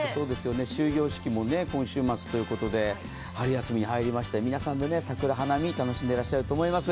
終業式も今週末ということで春休みに入りまして、皆さんで花見楽しんでいらっしゃると思います。